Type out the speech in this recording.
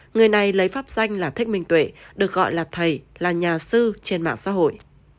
người này lấy pháp danh là thích minh tuệ được gọi là thầy là nhà sư trên mạng xã hội